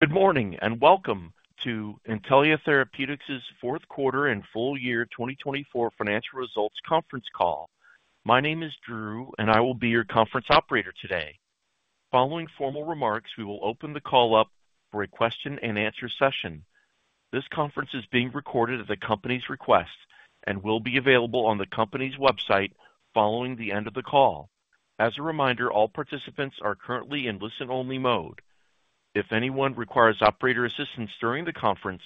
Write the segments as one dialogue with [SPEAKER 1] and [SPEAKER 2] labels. [SPEAKER 1] Good morning and welcome to Intellia Therapeutics' Fourth Quarter and Full Year 2024 Financial Results Conference Call. My name is Drew, and I will be your conference operator today. Following formal remarks, we will open the call up for a question-and-answer session. This conference is being recorded at the company's request and will be available on the company's website following the end of the call. As a reminder, all participants are currently in listen-only mode. If anyone requires operator assistance during the conference,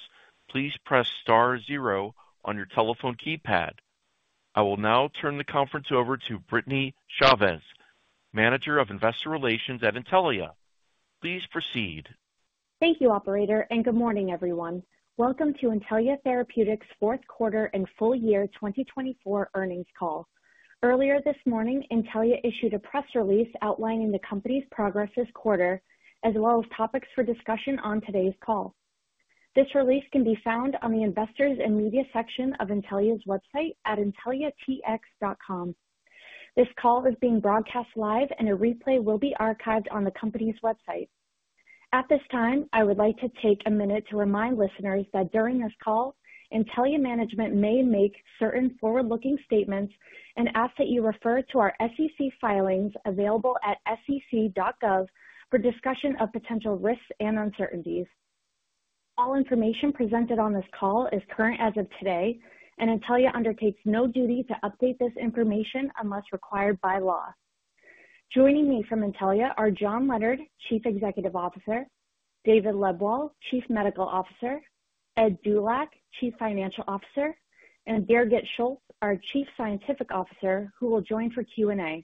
[SPEAKER 1] please press star zero on your telephone keypad. I will now turn the conference over to Brittany Chaves, Manager of Investor Relations at Intellia. Please proceed.
[SPEAKER 2] Thank you, Operator, and good morning, everyone. Welcome to Intellia Therapeutics' Fourth Quarter and Full Year 2024 Earnings Call. Earlier this morning, Intellia issued a press release outlining the company's progress this quarter, as well as topics for discussion on today's call. This release can be found on the Investors and Media section of Intellia's website at intelliatx.com. This call is being broadcast live, and a replay will be archived on the company's website. At this time, I would like to take a minute to remind listeners that during this call, Intellia Management may make certain forward-looking statements and ask that you refer to our SEC filings available at sec.gov for discussion of potential risks and uncertainties. All information presented on this call is current as of today, and Intellia undertakes no duty to update this information unless required by law. Joining me from Intellia are John Leonard, Chief Executive Officer, David Lebwohl, Chief Medical Officer, Ed Dulac, Chief Financial Officer, and Birgit Schultes, our Chief Scientific Officer, who will join for Q&A.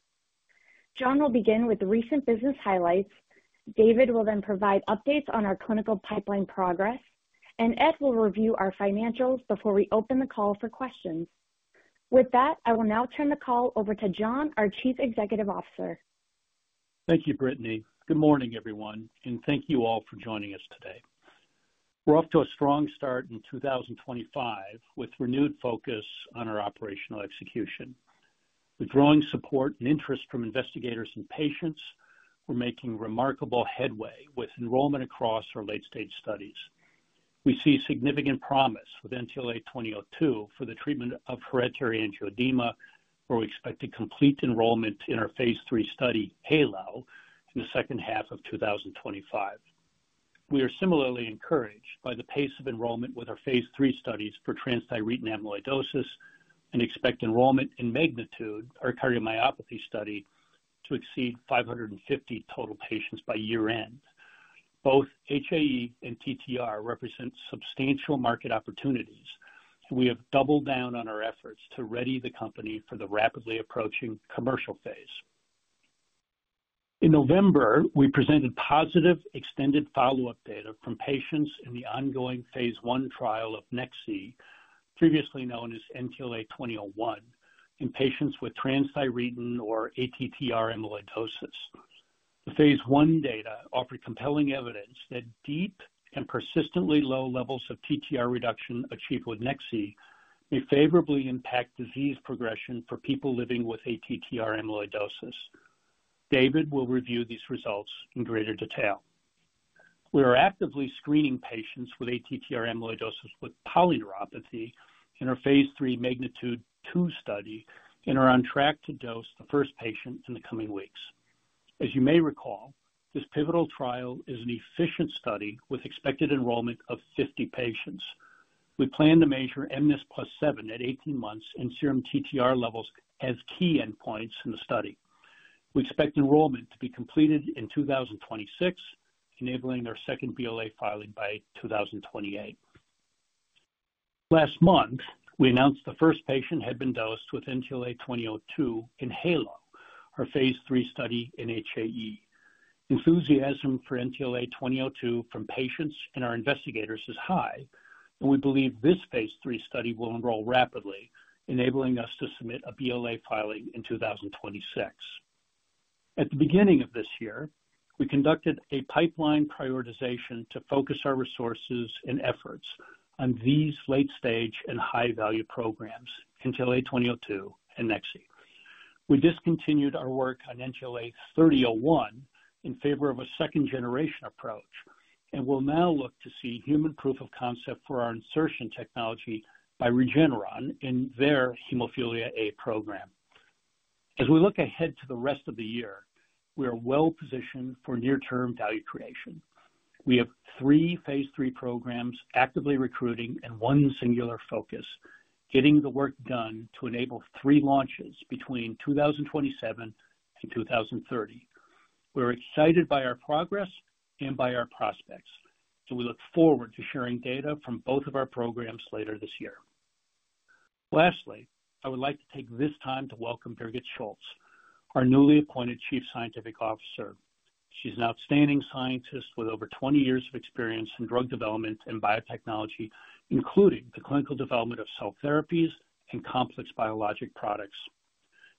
[SPEAKER 2] John will begin with recent business highlights. David will then provide updates on our clinical pipeline progress, and Ed will review our financials before we open the call for questions. With that, I will now turn the call over to John, our Chief Executive Officer.
[SPEAKER 3] Thank you, Brittany. Good morning, everyone, and thank you all for joining us today. We're off to a strong start in 2025 with renewed focus on our operational execution. With growing support and interest from investigators and patients, we're making remarkable headway with enrollment across our late-stage studies. We see significant promise with NTLA-2002 for the treatment of Hereditary Angioedema, where we expect a complete enrollment in our phase III study, HAELO, in the second half of 2025. We are similarly encouraged by the pace of enrollment with our phase III studies for transthyretin amyloidosis and expect enrollment in MAGNITUDE, our cardiomyopathy study, to exceed 550 total patients by year-end. Both HAE and TTR represent substantial market opportunities, and we have doubled down on our efforts to ready the company for the rapidly approaching commercial phase. In November, we presented positive extended follow-up data from patients in the ongoing phase I trial of nex-z, previously known as NTLA-2001, in patients with transthyretin or ATTR amyloidosis. The phase I data offered compelling evidence that deep and persistently low levels of TTR reduction achieved with nex-z may favorably impact disease progression for people living with ATTR amyloidosis. David will review these results in greater detail. We are actively screening patients with ATTR amyloidosis with polyneuropathy in our phase IIIMAGNITUDE-2 study and are on track to dose the first patient in the coming weeks. As you may recall, this pivotal trial is an efficient study with expected enrollment of 50 patients. We plan to measure mNIS+7 at 18 months and serum TTR levels as key endpoints in the study. We expect enrollment to be completed in 2026, enabling our second BLA filing by 2028. Last month, we announced the first patient had been dosed with NTLA-2002 in HAELO, our phase III study in HAE. Enthusiasm for NTLA-2002 from patients and our investigators is high, and we believe this phase III study will enroll rapidly, enabling us to submit a BLA filing in 2026. At the beginning of this year, we conducted a pipeline prioritization to focus our resources and efforts on these late-stage and high-value programs, NTLA-2002 and nex-z. We discontinued our work on NTLA-3001 in favor of a second-generation approach and will now look to see human proof of concept for our insertion technology by Regeneron in their hemophilia A program. As we look ahead to the rest of the year, we are well positioned for near-term value creation. We have three phase III programs actively recruiting and one singular focus, getting the work done to enable three launches between 2027 and 2030. We're excited by our progress and by our prospects, so we look forward to sharing data from both of our programs later this year. Lastly, I would like to take this time to welcome Birgit Schultes, our newly appointed Chief Scientific Officer. She's an outstanding scientist with over 20 years of experience in drug development and biotechnology, including the clinical development of cell therapies and complex biologic products.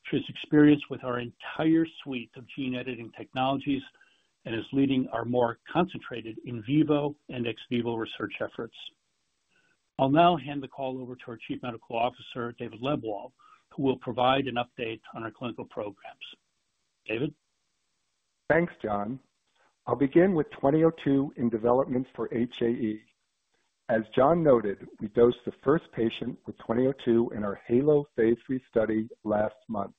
[SPEAKER 3] She has experience with our entire suite of gene editing technologies and is leading our more concentrated in vivo and ex vivo research efforts. I'll now hand the call over to our Chief Medical Officer, David Lebwohl, who will provide an update on our clinical programs. David?
[SPEAKER 4] Thanks, John. I'll begin with NTLA-2002 in development for HAE. As John noted, we dosed the first patient with NTLA-2002 in our HAELO phase III study last month.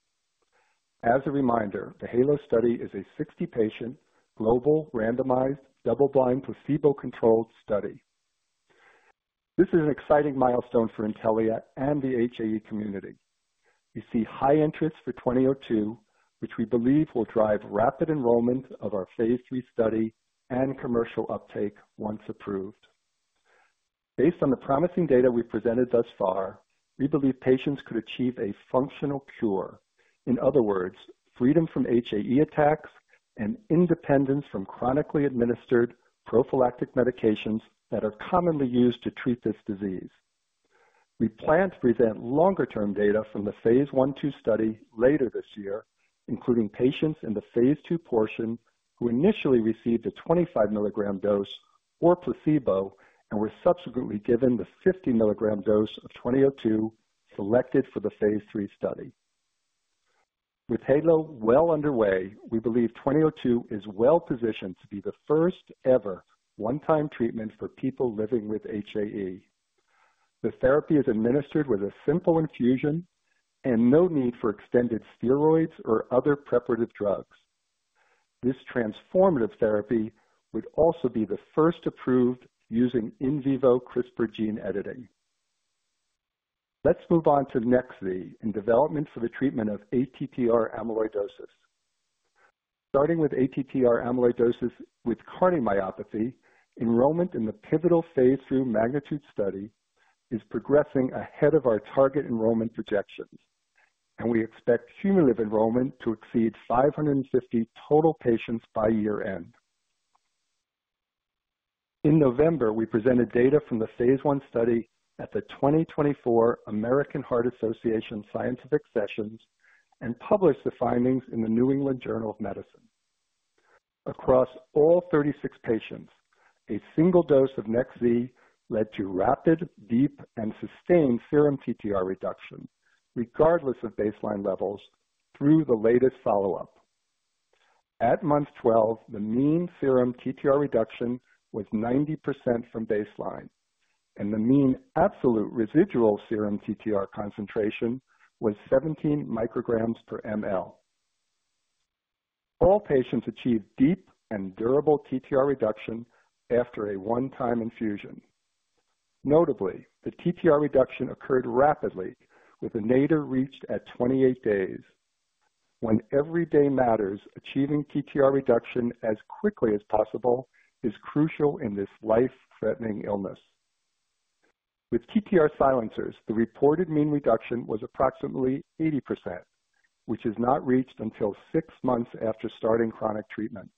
[SPEAKER 4] As a reminder, the HAELO study is a 60-patient global randomized double-blind placebo-controlled study. This is an exciting milestone for Intellia and the HAE community. We see high interest for NTLA-2002, which we believe will drive rapid enrollment of our phase III study and commercial uptake once approved. Based on the promising data we've presented thus far, we believe patients could achieve a functional cure. In other words, freedom from HAE attacks and independence from chronically administered prophylactic medications that are commonly used to treat this disease. We plan to present longer-term data from the phase I-II study later this year, including patients in the phase II portion who initially received a 25 mg dose or placebo and were subsequently given the 50 mg dose of 2002 selected for the phase III study. With HAELO well underway, we believe 2002 is well positioned to be the first-ever one-time treatment for people living with HAE. The therapy is administered with a simple infusion and no need for extended steroids or other preparative drugs. This transformative therapy would also be the first approved using in vivo CRISPR gene editing. Let's move on to nex-z in development for the treatment of ATTR amyloidosis. Starting with ATTR amyloidosis with cardiomyopathy, enrollment in the pivotal phase III MAGNITUDE study is progressing ahead of our target enrollment projections, and we expect cumulative enrollment to exceed 550 total patients by year-end. In November, we presented data from the phase I study at the 2024 American Heart Association Scientific Sessions and published the findings in the New England Journal of Medicine. Across all 36 patients, a single dose of nex-z led to rapid, deep, and sustained serum TTR reduction, regardless of baseline levels, through the latest follow-up. At month 12, the mean serum TTR reduction was 90% from baseline, and the mean absolute residual serum TTR concentration was 17 mcg per mL. All patients achieved deep and durable TTR reduction after a one-time infusion. Notably, the TTR reduction occurred rapidly, with the nadir reached at 28 days, when every day matters. Achieving TTR reduction as quickly as possible is crucial in this life-threatening illness. With TTR silencers, the reported mean reduction was approximately 80%, which is not reached until six months after starting chronic treatment.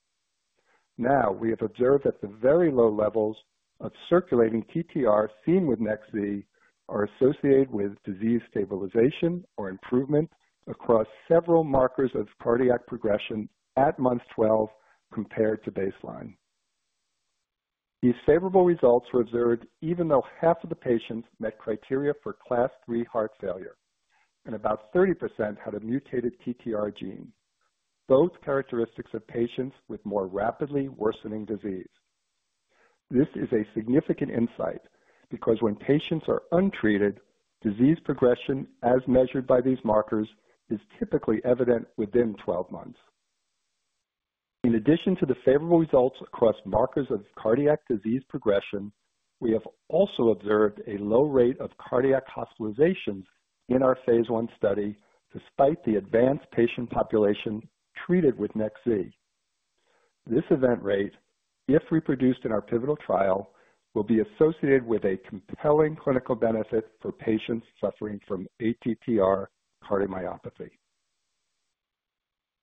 [SPEAKER 4] Now, we have observed that the very low levels of circulating TTR seen with nex-z are associated with disease stabilization or improvement across several markers of cardiac progression at month 12 compared to baseline. These favorable results were observed even though half of the patients met criteria for Class III heart failure, and about 30% had a mutated TTR gene, both characteristics of patients with more rapidly worsening disease. This is a significant insight because when patients are untreated, disease progression as measured by these markers is typically evident within 12 months. In addition to the favorable results across markers of cardiac disease progression, we have also observed a low rate of cardiac hospitalizations in our phase I study despite the advanced patient population treated with nex-z. This event rate, if reproduced in our pivotal trial, will be associated with a compelling clinical benefit for patients suffering from ATTR cardiomyopathy.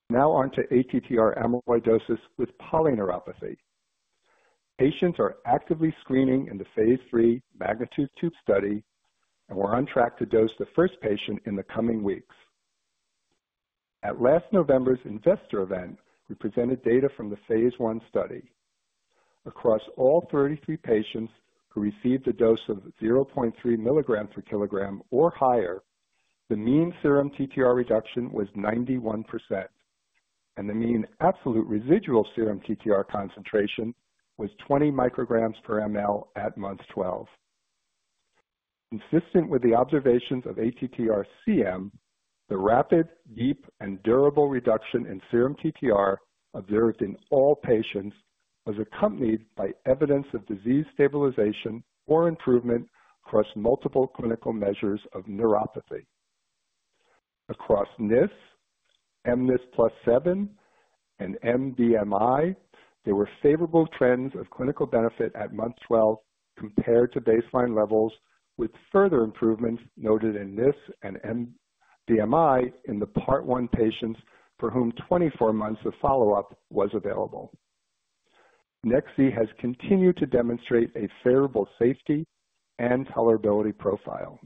[SPEAKER 4] Now on to ATTR amyloidosis with polyneuropathy. Patients are actively screening in the phase III MAGNITUDE-2 study, and we're on track to dose the first patient in the coming weeks. At last November's Investor event, we presented data from the phase I study. Across all 33 patients who received the dose of 0.3 mg per kilogram or higher, the mean serum TTR reduction was 91%, and the mean absolute residual serum TTR concentration was 20 mcg per mL at month 12. Consistent with the observations of ATTR-CM, the rapid, deep, and durable reduction in serum TTR observed in all patients was accompanied by evidence of disease stabilization or improvement across multiple clinical measures of neuropathy. Across NIS, mNIS+7, and mBMI, there were favorable trends of clinical benefit at month 12 compared to baseline levels, with further improvements noted in NIS and mBMI in the part one patients for whom 24 months of follow-up was available. Nex-z has continued to demonstrate a favorable safety and tolerability profile.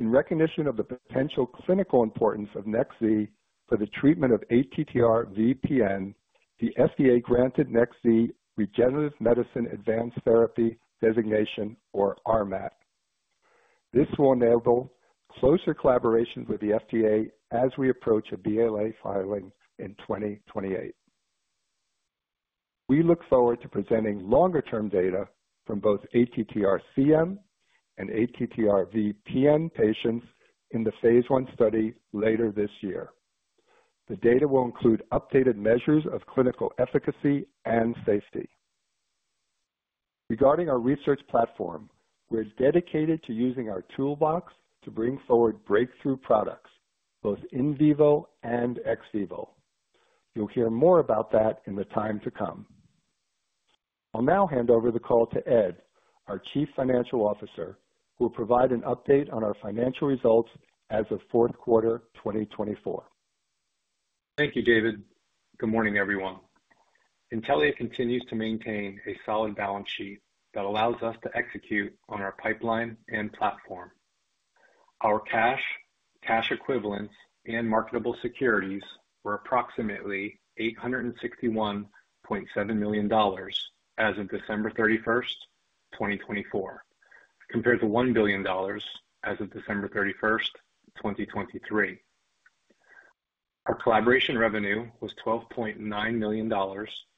[SPEAKER 4] In recognition of the potential clinical importance of nex-z for the treatment of ATTRv-PN, the FDA granted nex-z Regenerative Medicine Advanced Therapy designation, or RMAT. This will enable closer collaboration with the FDA as we approach a BLA filing in 2028. We look forward to presenting longer-term data from both ATTR-CM and ATTRv-PN patients in the phase I study later this year. The data will include updated measures of clinical efficacy and safety. Regarding our research platform, we're dedicated to using our toolbox to bring forward breakthrough products, both in vivo and ex vivo. You'll hear more about that in the time to come. I'll now hand over the call to Ed, our Chief Financial Officer, who will provide an update on our financial results as of fourth quarter 2024.
[SPEAKER 5] Thank you, David. Good morning, everyone. Intellia continues to maintain a solid balance sheet that allows us to execute on our pipeline and platform. Our cash, cash equivalents, and marketable securities were approximately $861.7 million as of December 31st, 2024, compared to $1 billion as of December 31st, 2023. Our collaboration revenue was $12.9 million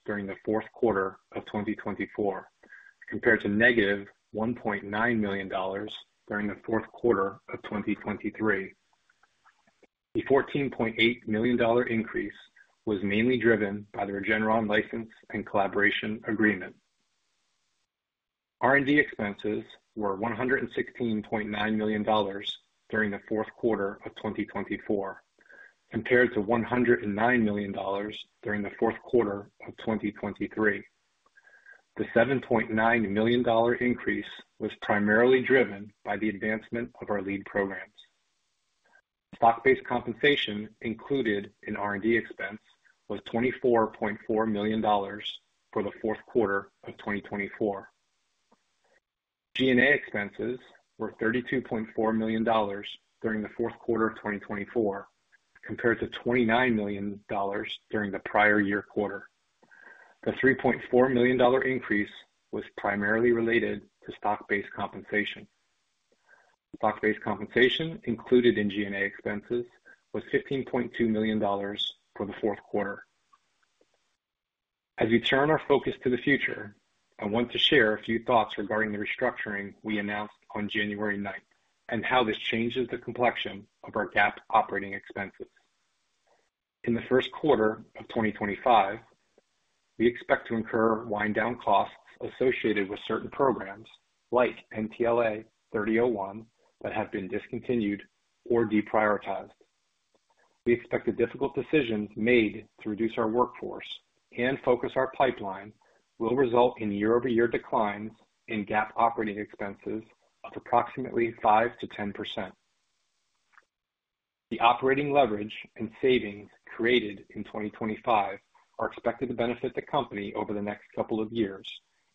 [SPEAKER 5] during the fourth quarter of 2024, compared to negative $1.9 million during the fourth quarter of 2023. The $14.8 million increase was mainly driven by the Regeneron license and collaboration agreement. R&D expenses were $116.9 million during the fourth quarter of 2024, compared to $109 million during the fourth quarter of 2023. The $7.9 million increase was primarily driven by the advancement of our lead programs. Stock-based compensation included in R&D expense was $24.4 million for the fourth quarter of 2024. G&A expenses were $32.4 million during the fourth quarter of 2024, compared to $29 million during the prior year quarter. The $3.4 million increase was primarily related to stock-based compensation. Stock-based compensation included in G&A expenses was $15.2 million for the fourth quarter. As we turn our focus to the future, I want to share a few thoughts regarding the restructuring we announced on January 9th and how this changes the complexion of our GAAP operating expenses. In the first quarter of 2025, we expect to incur wind-down costs associated with certain programs like NTLA-3001 that have been discontinued or deprioritized. We expect the difficult decisions made to reduce our workforce and focus our pipeline will result in year-over-year declines in GAAP operating expenses of approximately 5%-10%. The operating leverage and savings created in 2025 are expected to benefit the company over the next couple of years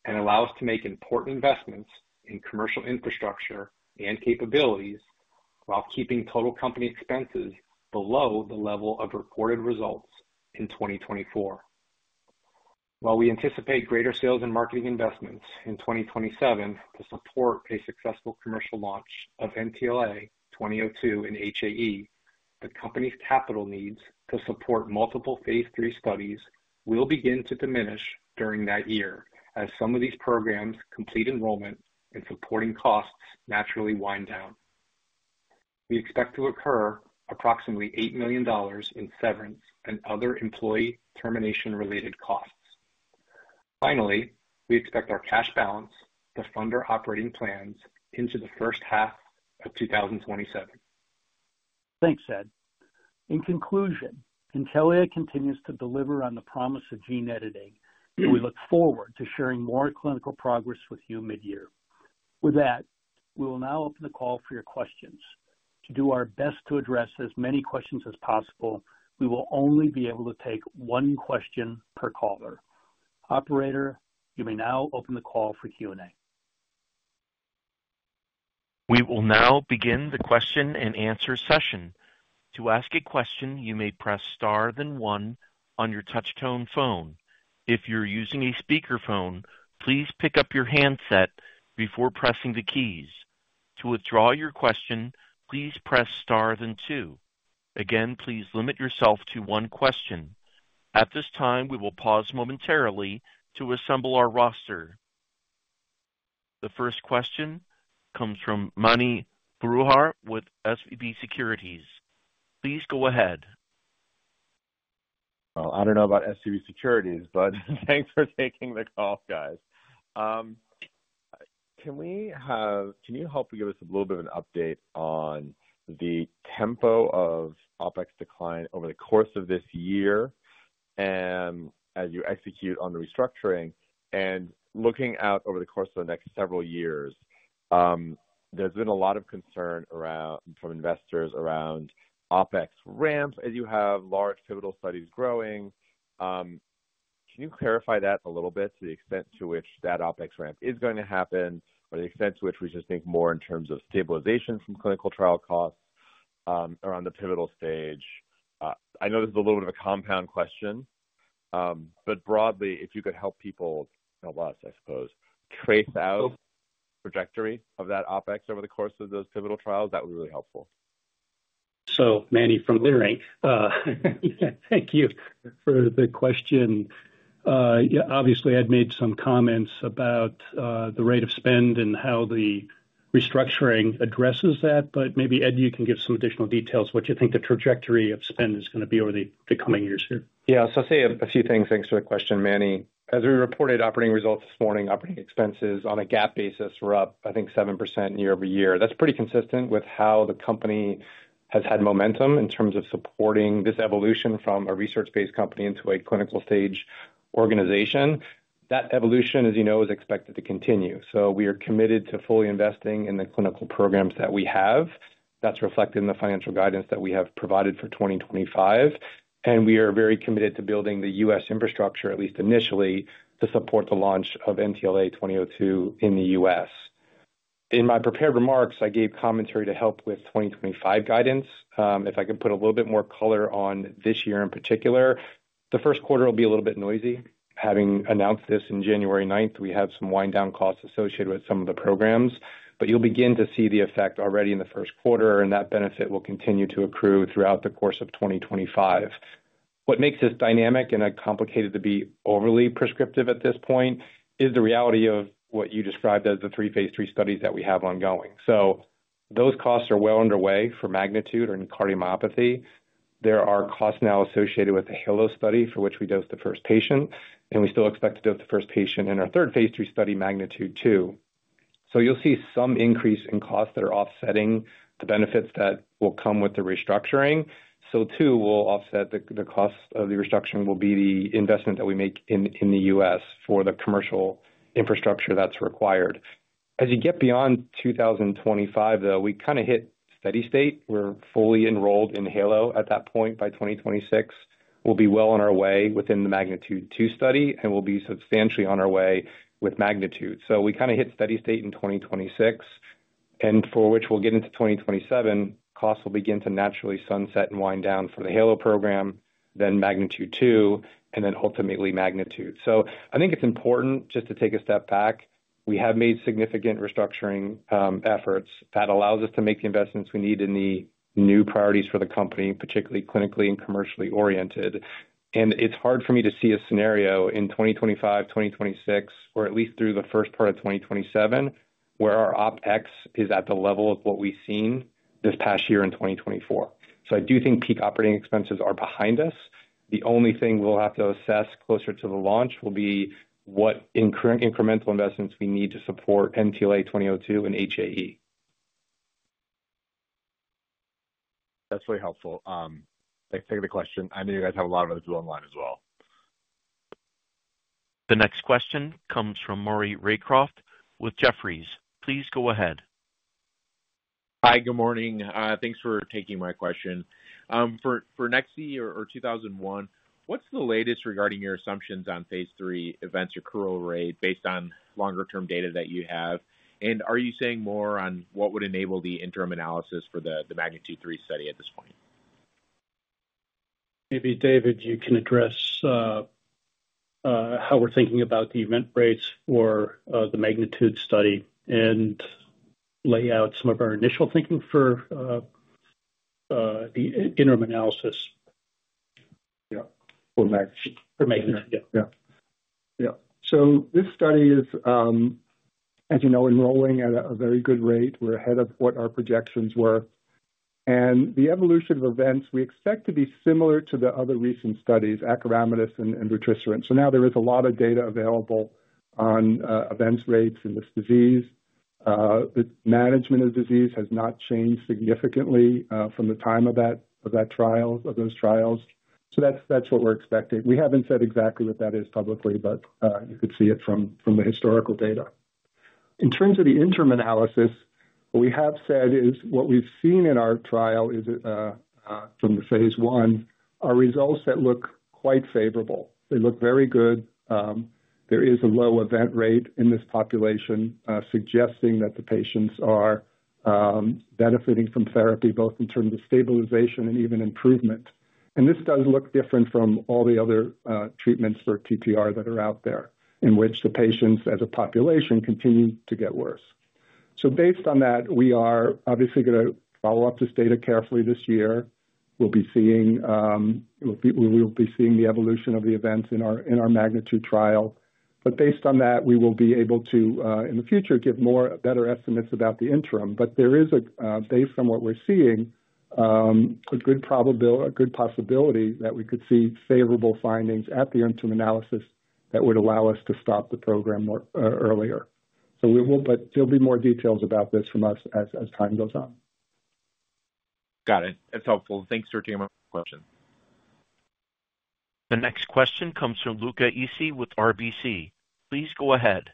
[SPEAKER 5] and allow us to make important investments in commercial infrastructure and capabilities while keeping total company expenses below the level of reported results in 2024. While we anticipate greater sales and marketing investments in 2027 to support a successful commercial launch of NTLA-2002 in HAE, the company's capital needs to support multiple phase III studies will begin to diminish during that year as some of these programs complete enrollment and supporting costs naturally wind down. We expect to incur approximately $8 million in severance and other employee termination-related costs. Finally, we expect our cash balance to fund our operating plans into the first half of 2027.
[SPEAKER 4] Thanks, Ed. In conclusion, Intellia continues to deliver on the promise of gene editing, and we look forward to sharing more clinical progress with you mid-year. With that, we will now open the call for your questions. To do our best to address as many questions as possible, we will only be able to take one question per caller. Operator, you may now open the call for Q&A.
[SPEAKER 1] We will now begin the question-and-answer session. To ask a question, you may press star then one on your touch-tone phone. If you're using a speakerphone, please pick up your handset before pressing the keys. To withdraw your question, please press star then two. Again, please limit yourself to one question. At this time, we will pause momentarily to assemble our roster. The first question comes from Mani Foroohar with SBP Securities. Please go ahead.
[SPEAKER 6] I don't know about SBP Securities, but thanks for taking the call, guys. Can you help give us a little bit of an update on the tempo of OpEx decline over the course of this year as you execute on the restructuring and looking out over the course of the next several years? There's been a lot of concern from investors around OpEx ramps as you have large pivotal studies growing. Can you clarify that a little bit to the extent to which that OpEx ramp is going to happen or the extent to which we should think more in terms of stabilization from clinical trial costs around the pivotal stage? I know this is a little bit of a compound question, but broadly, if you could help people help us, I suppose, trace out the trajectory of that OpEx over the course of those pivotal trials, that would be really helpful.
[SPEAKER 3] So, Mani from Leerink, thank you for the question. Obviously, I'd made some comments about the rate of spend and how the restructuring addresses that, but maybe Ed, you can give some additional details of what you think the trajectory of spend is going to be over the coming years here.
[SPEAKER 5] Yeah, so I'll say a few things thanks to the question, Mani. As we reported operating results this morning, operating expenses on a GAAP basis were up, I think, 7% year-over-year. That's pretty consistent with how the company has had momentum in terms of supporting this evolution from a research-based company into a clinical-stage organization. That evolution, as you know, is expected to continue. So we are committed to fully investing in the clinical programs that we have. That's reflected in the financial guidance that we have provided for 2025. And we are very committed to building the U.S. infrastructure, at least initially, to support the launch of NTLA 2002 in the U.S. In my prepared remarks, I gave commentary to help with 2025 guidance. If I can put a little bit more color on this year in particular, the first quarter will be a little bit noisy. Having announced this on January 9th, we have some wind-down costs associated with some of the programs, but you'll begin to see the effect already in the first quarter, and that benefit will continue to accrue throughout the course of 2025. What makes this dynamic and complicated to be overly prescriptive at this point is the reality of what you described as the three phase III studies that we have ongoing. So those costs are well underway for MAGNITUDE in cardiomyopathy. There are costs now associated with the HAELO study for which we dosed the first patient, and we still expect to dose the first patient in our third phase III study, MAGNITUDE-2. So you'll see some increase in costs that are offsetting the benefits that will come with the restructuring. So too, the cost of the restructuring will be the investment that we make in the U.S. for the commercial infrastructure that's required. As you get beyond 2025, though, we kind of hit steady state. We're fully enrolled in HAELO at that point by 2026. We'll be well on our way within the MAGNITUDE-2 study, and we'll be substantially on our way with MAGNITUDE. So we kind of hit steady state in 2026, and for which we'll get into 2027, costs will begin to naturally sunset and wind down for the HAELO program, then MAGNITUDE-2, and then ultimately MAGNITUDE. So I think it's important just to take a step back. We have made significant restructuring efforts that allow us to make the investments we need in the new priorities for the company, particularly clinically and commercially oriented. It's hard for me to see a scenario in 2025, 2026, or at least through the first part of 2027 where our OpEx is at the level of what we've seen this past year in 2024, so I do think peak operating expenses are behind us. The only thing we'll have to assess closer to the launch will be what incremental investments we need to support NTLA-2002 in HAE.
[SPEAKER 6] That's really helpful. Thanks for the question. I know you guys have a lot of those online as well.
[SPEAKER 1] The next question comes from Maury Raycroft with Jefferies. Please go ahead.
[SPEAKER 7] Hi, good morning. Thanks for taking my question. For nex-z, NTLA-2001, what's the latest regarding your assumptions on phase III events or accrual rate based on longer-term data that you have? Can you say more on what would enable the interim analysis for the MAGNITUDE 3 study at this point?
[SPEAKER 3] Maybe David, you can address how we're thinking about the event rates for the MAGNITUDE study and lay out some of our initial thinking for the interim analysis.
[SPEAKER 4] For MAGNITUDE. Yeah. Yeah. Yeah. So this study is, as you know, enrolling at a very good rate. We're ahead of what our projections were. And the evolution of events, we expect to be similar to the other recent studies, acoramidis and vutrisiran. So now there is a lot of data available on events rates in this disease. The management of disease has not changed significantly from the time of those trials. So that's what we're expecting. We haven't said exactly what that is publicly, but you could see it from the historical data. In terms of the interim analysis, what we have said is what we've seen in our trial is from the phase I, our results that look quite favorable. They look very good. There is a low event rate in this population suggesting that the patients are benefiting from therapy both in terms of stabilization and even improvement. This does look different from all the other treatments for ATTR that are out there in which the patients as a population continue to get worse. Based on that, we are obviously going to follow up this data carefully this year. We'll be seeing the evolution of the events in our MAGNITUDE trial. Based on that, we will be able to, in the future, give better estimates about the interim. There is, based on what we're seeing, a good possibility that we could see favorable findings at the interim analysis that would allow us to stop the program earlier. There'll be more details about this from us as time goes on.
[SPEAKER 7] Got it. That's helpful. Thanks for taking my question.
[SPEAKER 1] The next question comes from Luca Issi with RBC. Please go ahead.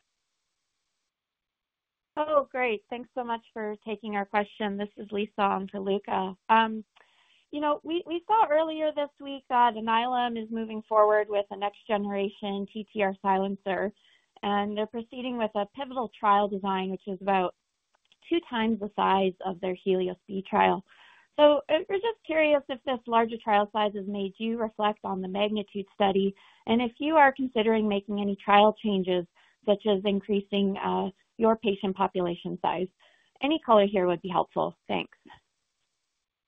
[SPEAKER 8] Oh, great. Thanks so much for taking our question. This is Liisa on to Luca. You know, we saw earlier this week that Alnylam is moving forward with a next-generation TTR silencer, and they're proceeding with a pivotal trial design, which is about two times the size of their HELIOS-B trial. So we're just curious if this larger trial size has made you reflect on the MAGNITUDE study and if you are considering making any trial changes, such as increasing your patient population size. Any color here would be helpful. Thanks.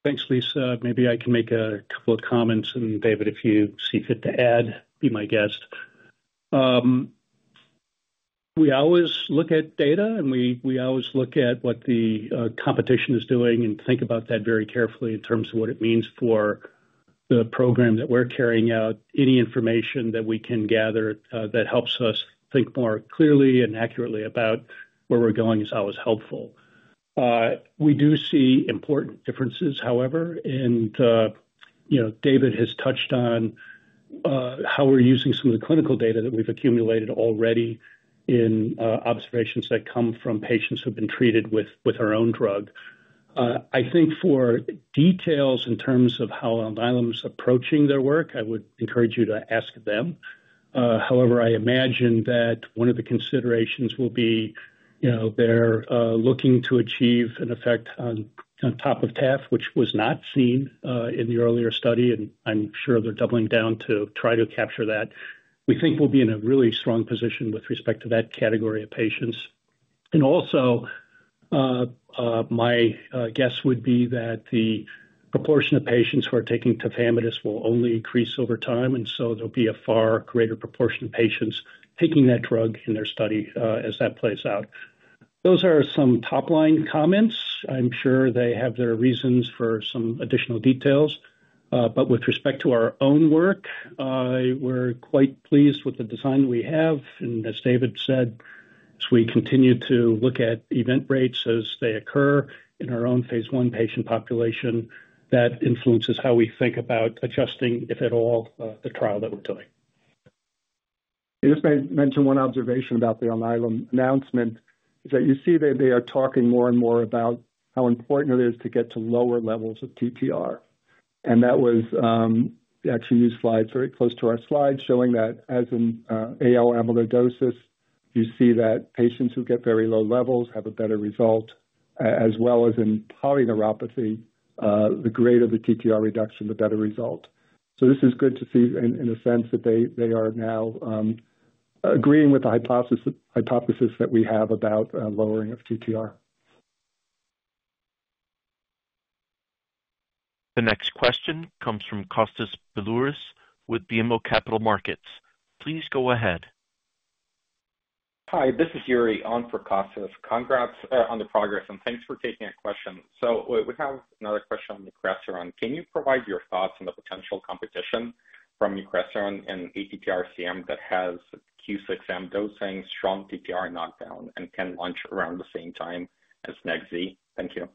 [SPEAKER 3] Thanks, Lisa. Maybe I can make a couple of comments. And David, if you see fit to add, be my guest. We always look at data, and we always look at what the competition is doing and think about that very carefully in terms of what it means for the program that we're carrying out. Any information that we can gather that helps us think more clearly and accurately about where we're going is always helpful. We do see important differences, however. And David has touched on how we're using some of the clinical data that we've accumulated already in observations that come from patients who have been treated with our own drug. I think for details in terms of how Alnylam is approaching their work, I would encourage you to ask them. However, I imagine that one of the considerations will be they're looking to achieve an effect on top of TAF, which was not seen in the earlier study, and I'm sure they're doubling down to try to capture that. We think we'll be in a really strong position with respect to that category of patients. And also, my guess would be that the proportion of patients who are taking Tafamidis will only increase over time, and so there'll be a far greater proportion of patients taking that drug in their study as that plays out. Those are some top-line comments. I'm sure they have their reasons for some additional details. But with respect to our own work, we're quite pleased with the design we have. As David said, as we continue to look at event rates as they occur in our own phase I patient population, that influences how we think about adjusting, if at all, the trial that we're doing.
[SPEAKER 4] Just mention one observation about the Alnylam announcement, is that you see that they are talking more and more about how important it is to get to lower levels of TTR. And that was actually used slides very close to our slides showing that as in AL amyloidosis, you see that patients who get very low levels have a better result, as well as in polyneuropathy, the greater the TTR reduction, the better result. So this is good to see in a sense that they are now agreeing with the hypothesis that we have about lowering of TTR.
[SPEAKER 1] The next question comes from Kostas Biliouris with BMO Capital Markets. Please go ahead.
[SPEAKER 9] Hi, this is Yuri on for Kostas. Congrats on the progress, and thanks for taking a question. So we have another question on vutrisiran. Can you provide your thoughts on the potential competition from vutrisiran and ATTR-CM that has Q6M dosing, strong TTR knockdown, and can launch around the same time as nex-z? Thank you.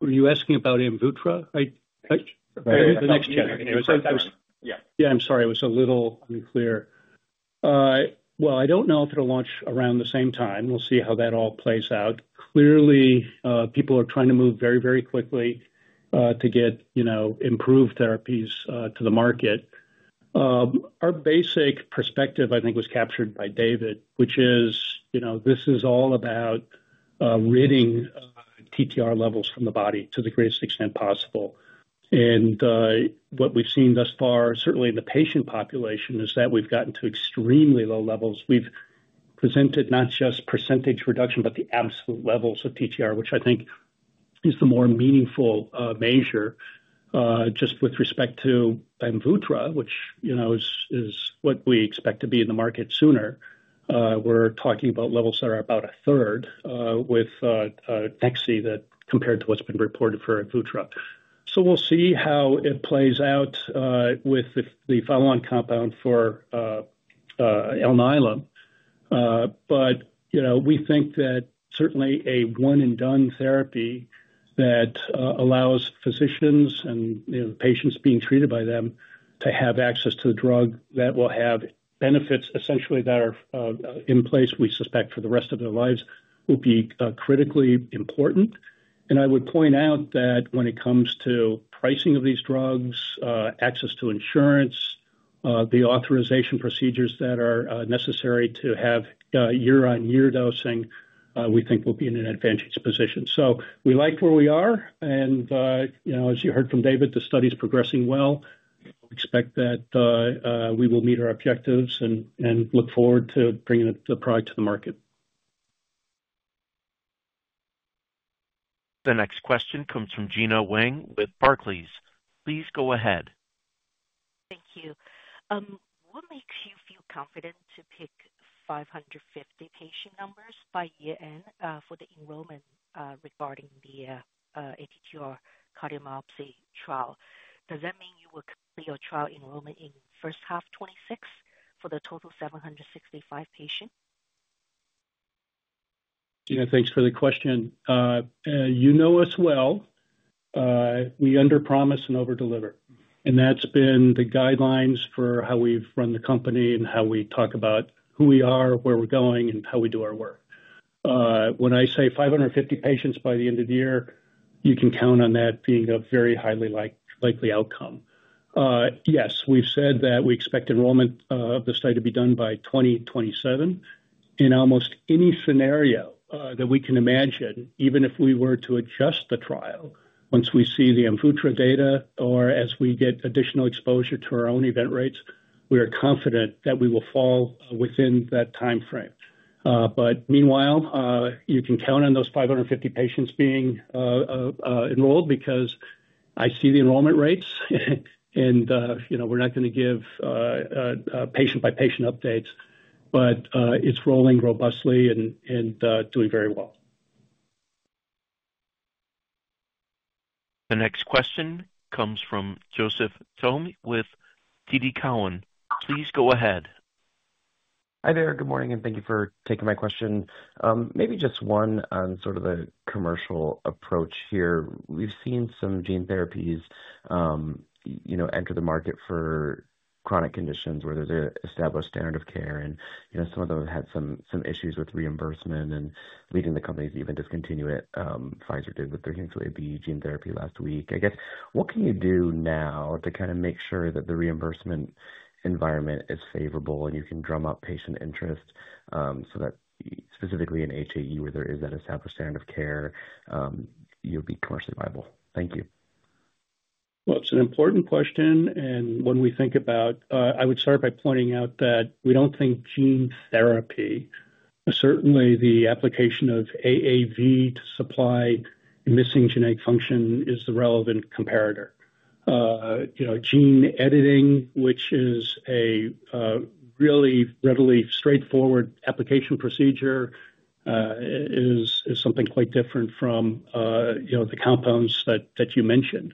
[SPEAKER 3] Were you asking about Amvuttra?
[SPEAKER 9] The next gen.
[SPEAKER 3] Yeah, I'm sorry. It was a little unclear. Well, I don't know if it'll launch around the same time. We'll see how that all plays out. Clearly, people are trying to move very, very quickly to get improved therapies to the market. Our basic perspective, I think, was captured by David, which is this is all about ridding TTR levels from the body to the greatest extent possible. And what we've seen thus far, certainly in the patient population, is that we've gotten to extremely low levels. We've presented not just percentage reduction, but the absolute levels of TTR, which I think is the more meaningful measure just with respect to Amvuttra, which is what we expect to be in the market sooner. We're talking about levels that are about a third with nex-z compared to what's been reported for Amvuttra. We'll see how it plays out with the follow-on compound for Alnylam. But we think that certainly a one-and-done therapy that allows physicians and patients being treated by them to have access to the drug that will have benefits essentially that are in place, we suspect, for the rest of their lives will be critically important. I would point out that when it comes to pricing of these drugs, access to insurance, the authorization procedures that are necessary to have year-on-year dosing, we think we'll be in an advantageous position. We like where we are. As you heard from David, the study is progressing well. We expect that we will meet our objectives and look forward to bringing the product to the market.
[SPEAKER 1] The next question comes from Gena Wang with Barclays. Please go ahead.
[SPEAKER 10] Thank you. What makes you feel confident to pick 550 patient numbers by year-end for the enrollment regarding the ATTR cardiomyopathy trial? Does that mean you will complete your trial enrollment in first half 2026 for the total 765 patients?
[SPEAKER 3] Gena, thanks for the question. You know us well. We underpromise and overdeliver. And that's been the guidelines for how we've run the company and how we talk about who we are, where we're going, and how we do our work. When I say 550 patients by the end of the year, you can count on that being a very highly likely outcome. Yes, we've said that we expect enrollment of the study to be done by 2027. In almost any scenario that we can imagine, even if we were to adjust the trial once we see the Amvuttra data or as we get additional exposure to our own event rates, we are confident that we will fall within that timeframe. But meanwhile, you can count on those 550 patients being enrolled because I see the enrollment rates, and we're not going to give patient-by-patient updates, but it's rolling robustly and doing very well.
[SPEAKER 1] The next question comes from Joseph Thome with TD Cowen. Please go ahead.
[SPEAKER 11] Hi there. Good morning, and thank you for taking my question. Maybe just one on sort of the commercial approach here. We've seen some gene therapies enter the market for chronic conditions where there's an established standard of care, and some of them have had some issues with reimbursement and leading the companies to even discontinue it. Pfizer did with their new 3AB gene therapy last week. I guess, what can you do now to kind of make sure that the reimbursement environment is favorable and you can drum up patient interest so that specifically in HAE, where there is that established standard of care, you'll be commercially viable? Thank you.
[SPEAKER 3] It's an important question. When we think about, I would start by pointing out that we don't think gene therapy, certainly the application of AAV to supply missing genetic function is the relevant comparator. Gene editing, which is a really readily straightforward application procedure, is something quite different from the compounds that you mentioned.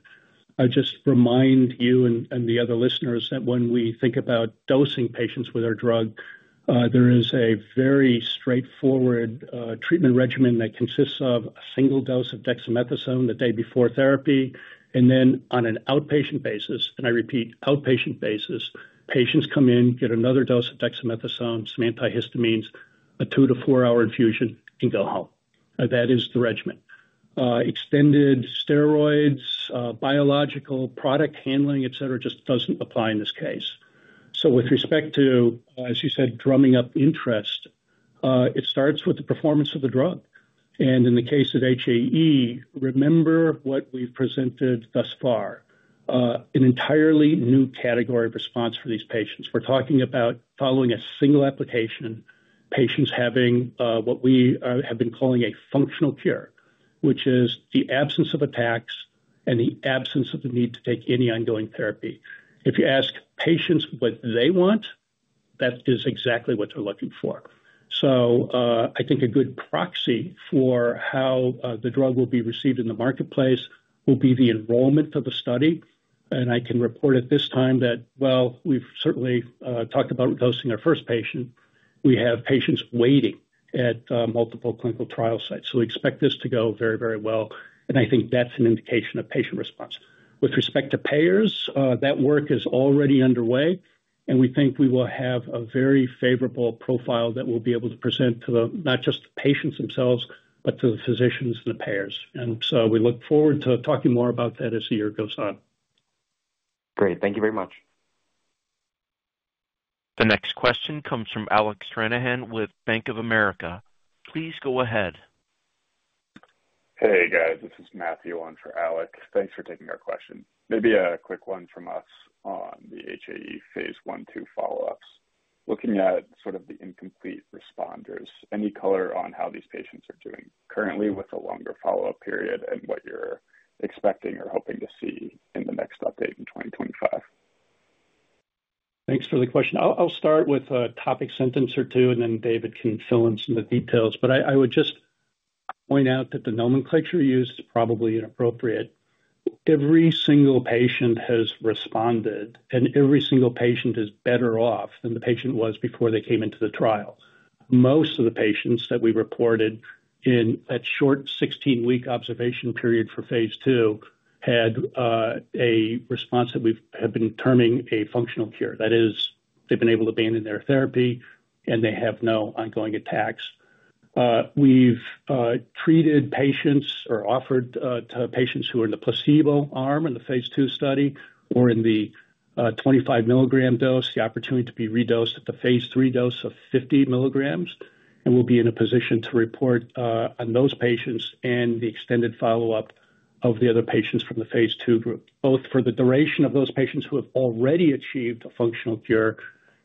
[SPEAKER 3] I just remind you and the other listeners that when we think about dosing patients with our drug, there is a very straightforward treatment regimen that consists of a single dose of dexamethasone the day before therapy. Then on an outpatient basis, and I repeat, outpatient basis, patients come in, get another dose of dexamethasone, some antihistamines, a two-to-four-hour infusion, and go home. That is the regimen. Extended steroids, biological product handling, etc., just doesn't apply in this case. So with respect to, as you said, drumming up interest, it starts with the performance of the drug. And in the case of HAE, remember what we've presented thus far, an entirely new category of response for these patients. We're talking about following a single application, patients having what we have been calling a functional cure, which is the absence of attacks and the absence of the need to take any ongoing therapy. If you ask patients what they want, that is exactly what they're looking for. So I think a good proxy for how the drug will be received in the marketplace will be the enrollment of the study. And I can report at this time that, well, we've certainly talked about dosing our first patient. We have patients waiting at multiple clinical trial sites. So we expect this to go very, very well. And I think that's an indication of patient response. With respect to payers, that work is already underway, and we think we will have a very favorable profile that we'll be able to present to not just the patients themselves, but to the physicians and the payers. And so we look forward to talking more about that as the year goes on.
[SPEAKER 11] Great. Thank you very much.
[SPEAKER 1] The next question comes from Alec Stranahan with Bank of America. Please go ahead.
[SPEAKER 12] Hey, guys. This is Matthew on for Alex. Thanks for taking our question. Maybe a quick one from us on the HAE phase I to follow-ups. Looking at sort of the incomplete responders, any color on how these patients are doing currently with a longer follow-up period and what you're expecting or hoping to see in the next update in 2025?
[SPEAKER 3] Thanks for the question. I'll start with a topic sentence or two, and then David can fill in some of the details. But I would just point out that the nomenclature used is probably inappropriate. Every single patient has responded, and every single patient is better off than the patient was before they came into the trial. Most of the patients that we reported in that short 16-week observation period for phase II had a response that we have been terming a functional cure. That is, they've been able to abandon their therapy, and they have no ongoing attacks. We've treated patients or offered to patients who are in the placebo arm in the phase II study or in the 25 mg dose the opportunity to be redosed at the phase III dose of 50 mg, and we'll be in a position to report on those patients and the extended follow-up of the other patients from the phase II group, both for the duration of those patients who have already achieved a functional cure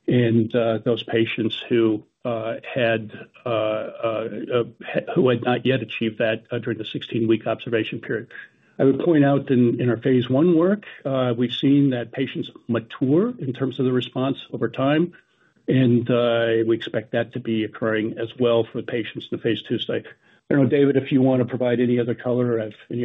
[SPEAKER 3] and those patients who had not yet achieved that during the 16-week observation period. I would point out in our phase I work, we've seen that patients mature in terms of the response over time, and we expect that to be occurring as well for the patients in the phase II study. I don't know, David, if you want to provide any other color or have any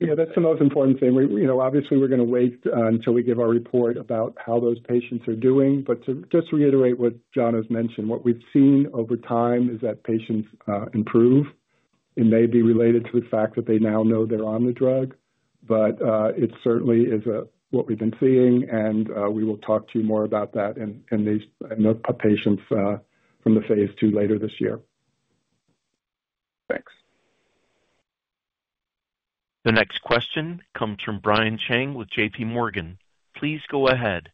[SPEAKER 3] other.
[SPEAKER 4] Yeah, that's the most important thing. Obviously, we're going to wait until we give our report about how those patients are doing. But to just reiterate what John has mentioned, what we've seen over time is that patients improve. It may be related to the fact that they now know they're on the drug, but it certainly is what we've been seeing, and we will talk to you more about that and the patients from the phase II later this year.
[SPEAKER 12] Thanks.
[SPEAKER 1] The next question comes from Brian Cheng with JPMorgan. Please go ahead.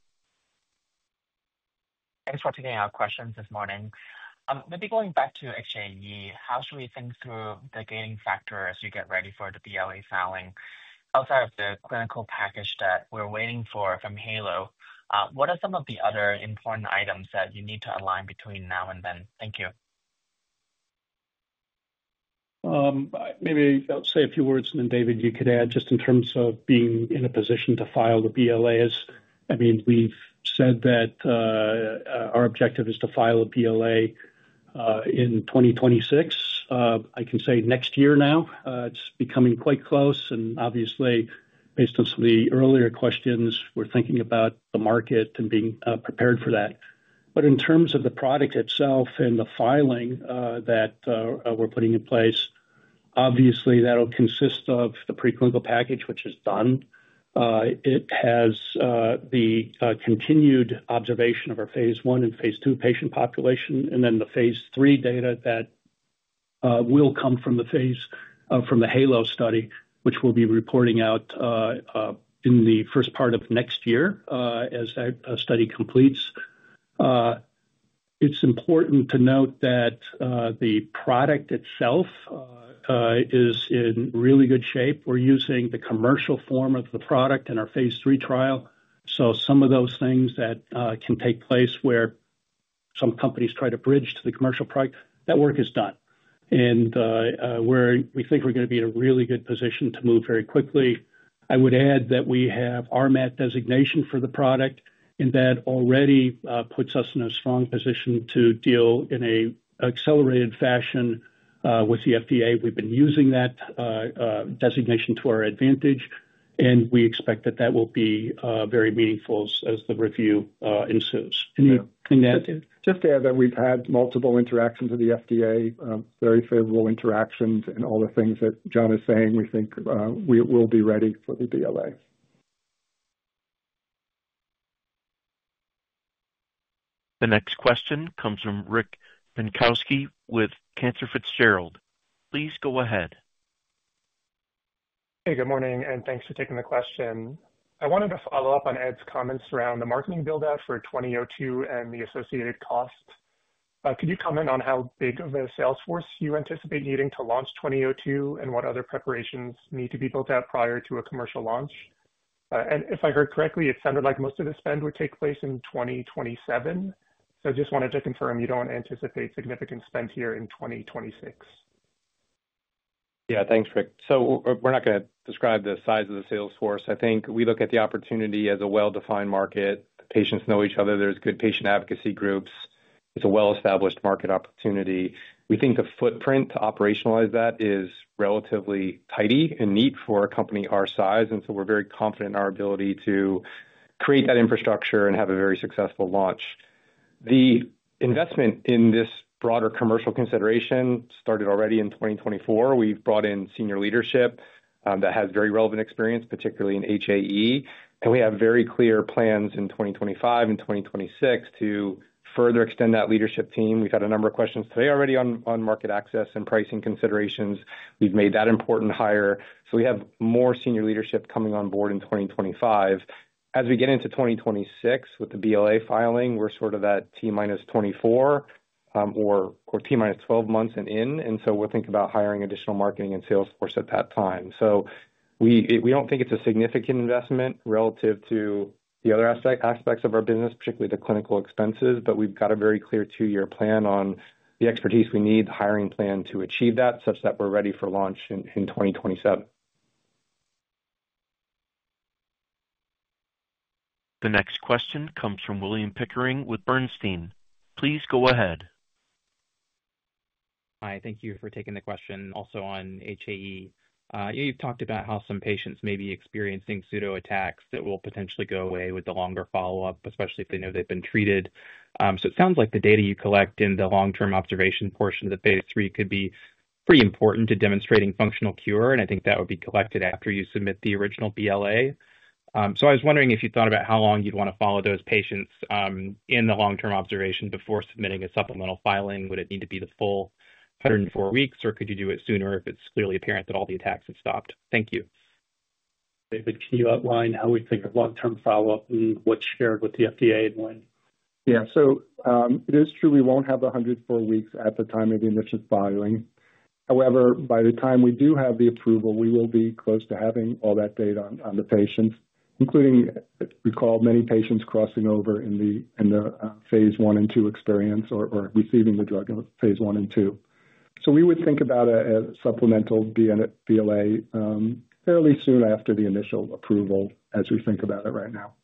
[SPEAKER 13] Thanks for taking our questions this morning. Maybe going back to HAE, how should we think through the gating factor as you get ready for the BLA filing? Outside of the clinical package that we're waiting for from HAELO, what are some of the other important items that you need to align between now and then? Thank you.
[SPEAKER 3] Maybe I'll say a few words, and then David, you could add just in terms of being in a position to file the BLAs. I mean, we've said that our objective is to file a BLA in 2026. I can say next year now. It's becoming quite close. And obviously, based on some of the earlier questions, we're thinking about the market and being prepared for that. But in terms of the product itself and the filing that we're putting in place, obviously, that'll consist of the pre-clinical package, which is done. It has the continued observation of our phase I and phase tII patient population, and then the phase III data that will come from the HAELO study, which we'll be reporting out in the first part of next year as that study completes. It's important to note that the product itself is in really good shape. We're using the commercial form of the product in our phase III trial. So some of those things that can take place where some companies try to bridge to the commercial product, that work is done. And we think we're going to be in a really good position to move very quickly. I would add that we have RMAT designation for the product, and that already puts us in a strong position to deal in an accelerated fashion with the FDA. We've been using that designation to our advantage, and we expect that that will be very meaningful as the review ensues. Anything to add?
[SPEAKER 4] Just to add that we've had multiple interactions with the FDA, very favorable interactions, and all the things that John is saying, we think we will be ready for the BLA.
[SPEAKER 1] The next question comes from Rick Bienkowski with Cantor Fitzgerald. Please go ahead.
[SPEAKER 14] Hey, good morning, and thanks for taking the question. I wanted to follow up on Ed's comments around the marketing build-out for 2002 and the associated costs. Could you comment on how big of a sales force you anticipate needing to launch 2002 and what other preparations need to be built out prior to a commercial launch? And if I heard correctly, it sounded like most of the spend would take place in 2027. So I just wanted to confirm you don't anticipate significant spend here in 2026.
[SPEAKER 5] Yeah, thanks, Rick. So we're not going to describe the size of the sales force. I think we look at the opportunity as a well-defined market. The patients know each other. There's good patient advocacy groups. It's a well-established market opportunity. We think the footprint to operationalize that is relatively tidy and neat for a company our size. And so we're very confident in our ability to create that infrastructure and have a very successful launch. The investment in this broader commercial consideration started already in 2024. We've brought in senior leadership that has very relevant experience, particularly in HAE. And we have very clear plans in 2025 and 2026 to further extend that leadership team. We've had a number of questions today already on market access and pricing considerations. We've made that important hire. So we have more senior leadership coming on board in 2025. As we get into 2026 with the BLA filing, we're sort of at T minus 24 or T minus 12 months and in. And so we'll think about hiring additional marketing and sales force at that time. So we don't think it's a significant investment relative to the other aspects of our business, particularly the clinical expenses, but we've got a very clear two-year plan on the expertise we need, the hiring plan to achieve that, such that we're ready for launch in 2027.
[SPEAKER 1] The next question comes from William Pickering with Bernstein. Please go ahead.
[SPEAKER 15] Hi, thank you for taking the question. Also on HAE, you've talked about how some patients may be experiencing pseudo attacks that will potentially go away with the longer follow-up, especially if they know they've been treated. So it sounds like the data you collect in the long-term observation portion of the phase III could be pretty important to demonstrating functional cure, and I think that would be collected after you submit the original BLA. So I was wondering if you thought about how long you'd want to follow those patients in the long-term observation before submitting a supplemental filing. Would it need to be the full 104 weeks, or could you do it sooner if it's clearly apparent that all the attacks have stopped? Thank you.
[SPEAKER 3] David, can you outline how we think of long-term follow-up and what's shared with the FDA and when?
[SPEAKER 4] Yeah, so it is true we won't have the 104 weeks at the time of the initial filing. However, by the time we do have the approval, we will be close to having all that data on the patients, including, recall, many patients crossing over in the phase I and two experience or receiving the drug in phase I and two. So we would think about a supplemental BLA fairly soon after the initial approval as we think about it right now.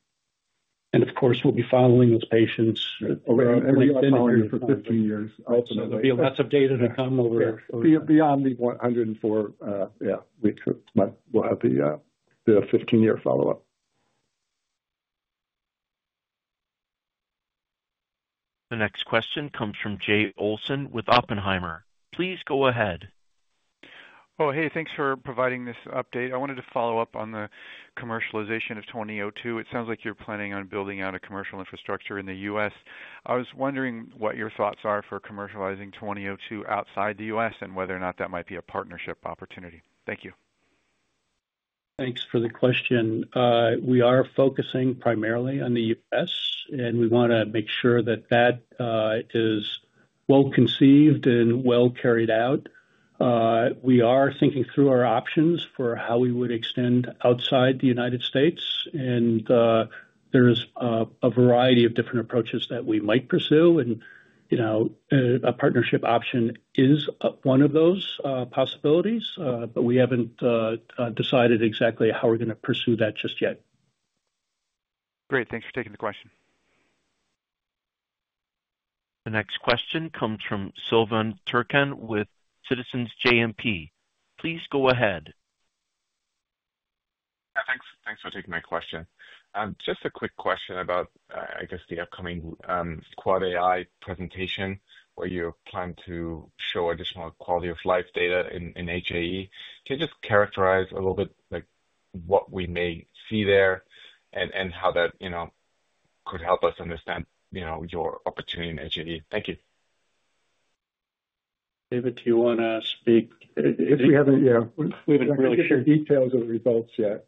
[SPEAKER 3] Of course, we'll be following those patients.
[SPEAKER 4] We've been here for 15 years.
[SPEAKER 3] There'll be lots of data to come over.
[SPEAKER 4] Beyond the 104, yeah, we'll have the 15-year follow-up.
[SPEAKER 1] The next question comes from Jay Olson with Oppenheimer. Please go ahead.
[SPEAKER 16] Oh, hey, thanks for providing this update. I wanted to follow up on the commercialization of 2002. It sounds like you're planning on building out a commercial infrastructure in the U.S. I was wondering what your thoughts are for commercializing 2002 outside the U.S. and whether or not that might be a partnership opportunity. Thank you.
[SPEAKER 3] Thanks for the question. We are focusing primarily on the U.S., and we want to make sure that that is well conceived and well carried out. We are thinking through our options for how we would extend outside the United States, and there's a variety of different approaches that we might pursue, and a partnership option is one of those possibilities, but we haven't decided exactly how we're going to pursue that just yet.
[SPEAKER 16] Great. Thanks for taking the question.
[SPEAKER 1] The next question comes from Silvan Türkcan with Citizens JMP. Please go ahead.
[SPEAKER 17] Yeah, thanks. Thanks for taking my question. Just a quick question about, I guess, the upcoming Quad AI presentation where you plan to show additional quality of life data in HAE. Can you just characterize a little bit what we may see there and how that could help us understand your opportunity in HAE? Thank you.
[SPEAKER 3] David, do you want to speak?
[SPEAKER 4] We haven't really shared details of the results yet.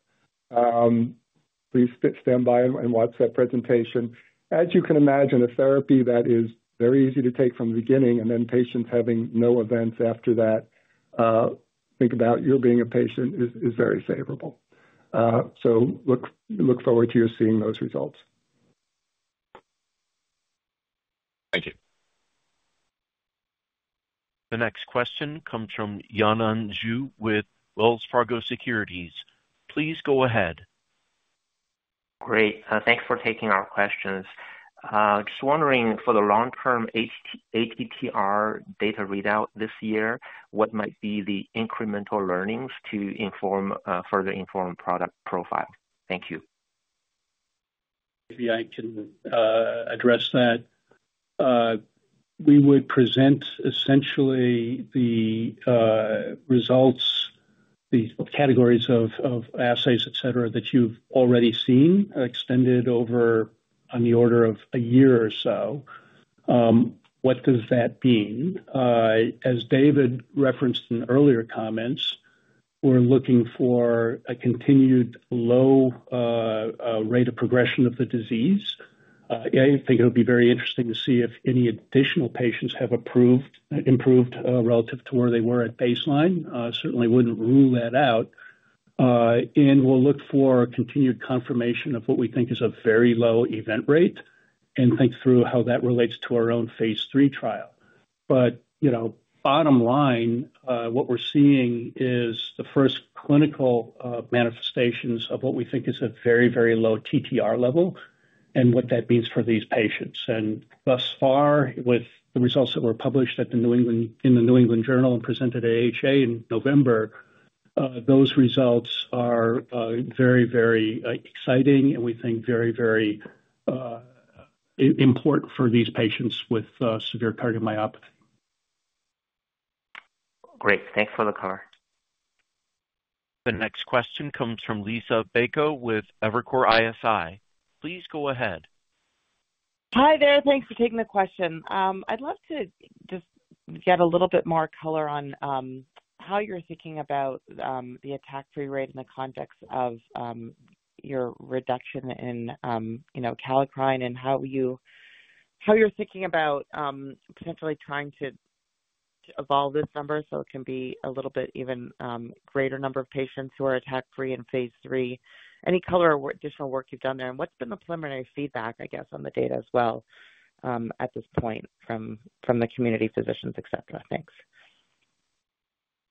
[SPEAKER 4] Please stand by and watch that presentation. As you can imagine, a therapy that is very easy to take from the beginning and then patients having no events after that, think about your being a patient is very favorable. So look forward to you seeing those results.
[SPEAKER 17] Thank you.
[SPEAKER 1] The next question comes from Yanan Zhu with Wells Fargo Securities. Please go ahead.
[SPEAKER 18] Great. Thanks for taking our questions. Just wondering, for the long-term ATTR data readout this year, what might be the incremental learnings to further inform product profile? Thank you.
[SPEAKER 4] If I can address that. We would present essentially the results, the categories of assays, etc., that you've already seen extended over on the order of a year or so. What does that mean? As David referenced in earlier comments, we're looking for a continued low rate of progression of the disease. I think it'll be very interesting to see if any additional patients have improved relative to where they were at baseline. Certainly wouldn't rule that out. And we'll look for continued confirmation of what we think is a very low event rate and think through how that relates to our own phase III trial. But bottom line, what we're seeing is the first clinical manifestations of what we think is a very, very low TTR level and what that means for these patients. Thus far, with the results that were published in the New England Journal of Medicine and presented at AHA in November, those results are very, very exciting, and we think very, very important for these patients with severe cardiomyopathy.
[SPEAKER 18] Great. Thanks for the color.
[SPEAKER 1] The next question comes from Liisa Bayko with Evercore ISI. Please go ahead.
[SPEAKER 19] Hi there. Thanks for taking the question. I'd love to just get a little bit more color on how you're thinking about the attack-free rate in the context of your reduction in kallikrein and how you're thinking about potentially trying to evolve this number so it can be a little bit even greater number of patients who are attack-free in phase III. Any color or additional work you've done there? And what's been the preliminary feedback, I guess, on the data as well at this point from the community physicians, etc.? Thanks.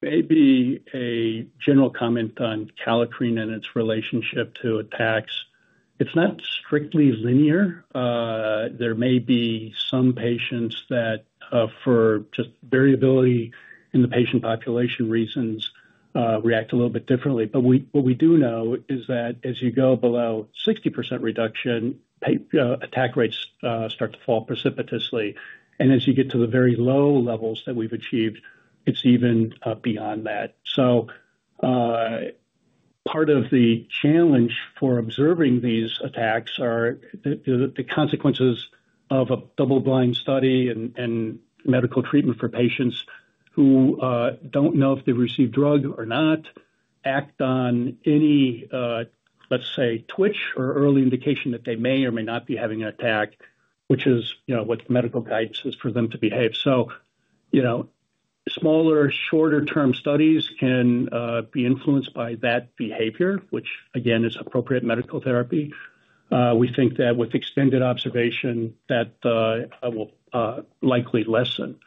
[SPEAKER 4] Maybe a general comment on kallikrein and its relationship to attacks. It's not strictly linear. There may be some patients that, for just variability in the patient population reasons, react a little bit differently. But what we do know is that as you go below 60% reduction, attack rates start to fall precipitously. And as you get to the very low levels that we've achieved, it's even beyond that. So part of the challenge for observing these attacks are the consequences of a double-blind study and medical treatment for patients who don't know if they've received drug or not act on any, let's say, twitch or early indication that they may or may not be having an attack, which is what the medical guidance is for them to behave. So smaller, shorter-term studies can be influenced by that behavior, which, again, is appropriate medical therapy. We think that with extended observation, that will likely lessen.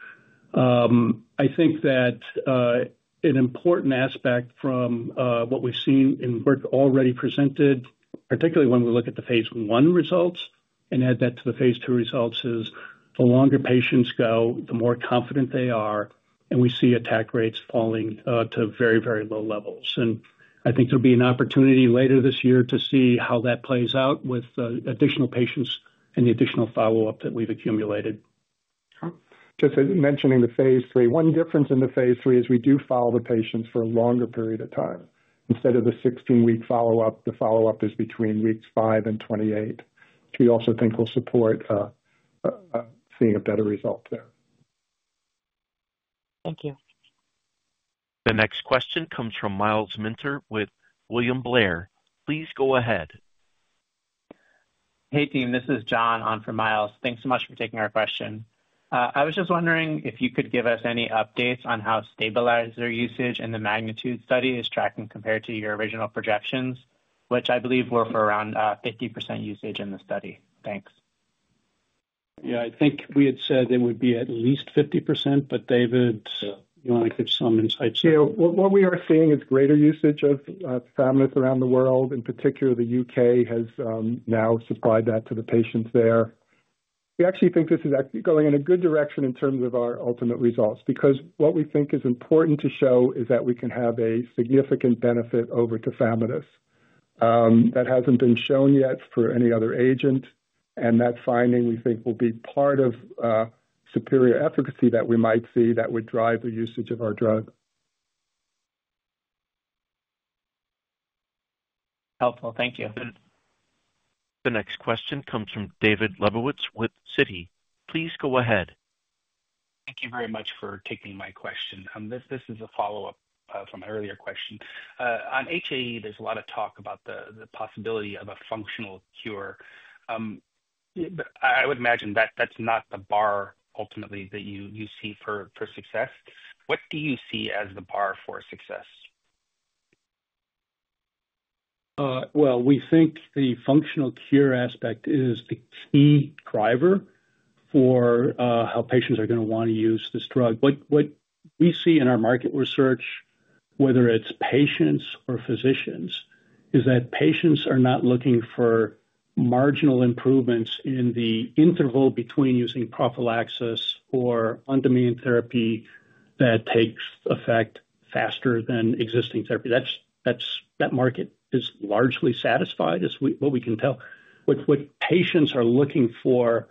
[SPEAKER 4] I think that an important aspect from what we've seen in work already presented, particularly when we look at the phase I results and add that to the phase II results, is the longer patients go, the more confident they are, and we see attack rates falling to very, very low levels. I think there'll be an opportunity later this year to see how that plays out with additional patients and the additional follow-up that we've accumulated. Just mentioning the phase III, one difference in the phase III is we do follow the patients for a longer period of time. Instead of the 16-week follow-up, the follow-up is between weeks 5 and 28, which we also think will support seeing a better result there.
[SPEAKER 19] Thank you.
[SPEAKER 1] The next question comes from Myles Minter with William Blair. Please go ahead.
[SPEAKER 20] Hey, team. This is John on for Myles. Thanks so much for taking our question. I was just wondering if you could give us any updates on how stabilizer usage in the MAGNITUDE study is tracking compared to your original projections, which I believe were for around 50% usage in the study. Thanks.
[SPEAKER 3] Yeah, I think we had said there would be at least 50%, but David, you want to give some insights?
[SPEAKER 4] Yeah. What we are seeing is greater usage of tafamidis around the world. In particular, the UK has now supplied that to the patients there. We actually think this is actually going in a good direction in terms of our ultimate results because what we think is important to show is that we can have a significant benefit over tafamidis that hasn't been shown yet for any other agent. And that finding we think will be part of superior efficacy that we might see that would drive the usage of our drug.
[SPEAKER 7] Helpful. Thank you.
[SPEAKER 1] The next question comes from David Lebowitz with Citi. Please go ahead.
[SPEAKER 21] Thank you very much for taking my question. This is a follow-up from an earlier question. On HAE, there's a lot of talk about the possibility of a functional cure. I would imagine that that's not the bar ultimately that you see for success. What do you see as the bar for success?
[SPEAKER 3] We think the functional cure aspect is the key driver for how patients are going to want to use this drug. What we see in our market research, whether it's patients or physicians, is that patients are not looking for marginal improvements in the interval between using prophylaxis or on-demand therapy that takes effect faster than existing therapy. That market is largely satisfied, as what we can tell. What patients are looking for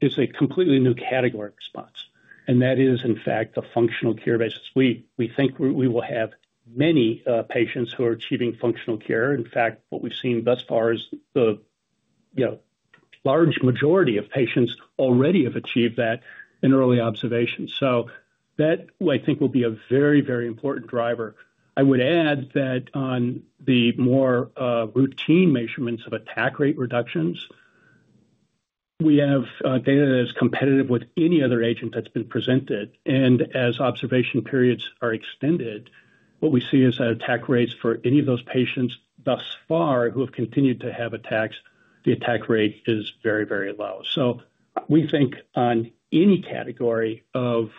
[SPEAKER 3] is a completely new category of response. And that is, in fact, the functional cure basis. We think we will have many patients who are achieving functional care. In fact, what we've seen thus far is the large majority of patients already have achieved that in early observation. So that, I think, will be a very, very important driver. I would add that on the more routine measurements of attack rate reductions, we have data that is competitive with any other agent that's been presented. And as observation periods are extended, what we see is that attack rates for any of those patients thus far who have continued to have attacks, the attack rate is very, very low. So we think on any category of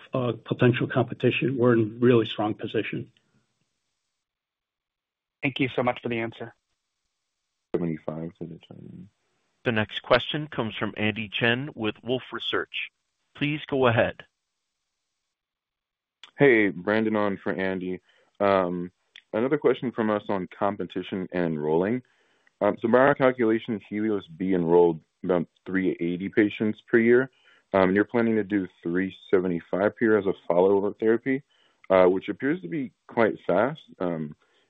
[SPEAKER 3] potential competition, we're in a really strong position.
[SPEAKER 21] Thank you so much for the answer.
[SPEAKER 3] 75 to the chart.
[SPEAKER 1] The next question comes from Andy Chen with Wolfe Research. Please go ahead.
[SPEAKER 22] Hey, Brandon on for Andy. Another question from us on competition and enrolling. So by our calculation, HELIOS-B enrolled about 380 patients per year. And you're planning to do 375 per year as a follow-up therapy, which appears to be quite fast.